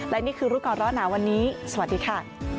และนี่คือรู้ก่อนร้อนหนาวันนี้สวัสดีค่ะ